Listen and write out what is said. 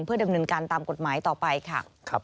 เพื่อดำเนินการตามกฎหมายต่อไปค่ะ